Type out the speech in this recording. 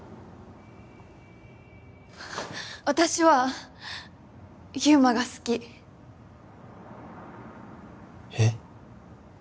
私は祐馬が好きえっ？